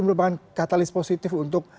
merupakan katalis positif untuk